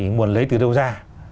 nguồn lấy từ đâu ra